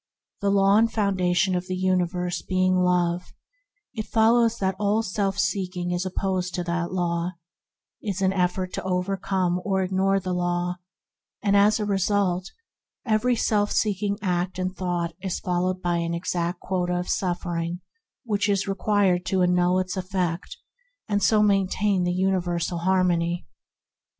The Law and foundation of the universe being Love, it follows that all self seeking is opposed to that Law, and is an effort to overcome or ignore the Law; as a result, every self seeking act and thought is followed by the exact quota of suffering required to annul its effect and so maintain the universal harmony.